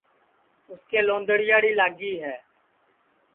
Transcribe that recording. اُس کے لونٚدڑیاڑی لاگی ہے